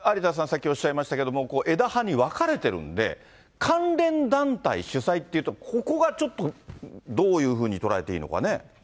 さっきおっしゃいましたけれども、枝葉に分かれてるんで、関連団体主催っていうと、ここがちょっとどういうふうに捉えていいのかね。